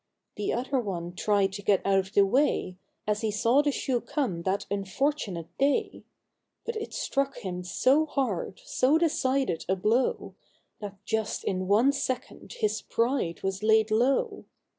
The other one tried to get out of the way, As he saw the shoe come that unfortunate day ; But it struck him so hard, so decided a blow, That just in one second his pride was laid low.